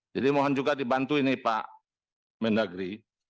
jadi mohon juga dibantu ini pak mendagri